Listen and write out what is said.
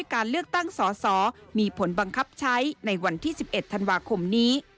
การเลือกตั้งสอสอมีผลบังคับใช้ในวันที่๑๑ธันวาคมนี้